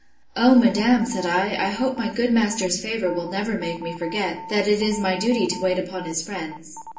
O, madam, said I, I hope my good master's favour will never make me forget, that it is my duty to wait upon his friends.